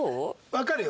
わかるよ。